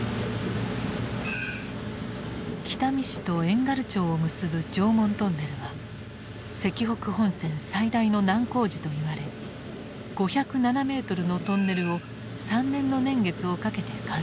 北見市と遠軽町を結ぶ常紋トンネルは石北本線最大の難工事と言われ５０７メートルのトンネルを３年の年月をかけて完成した。